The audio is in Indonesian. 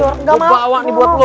tuh gue bawa nih buat lo